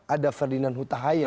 ada ferdinand hutahayat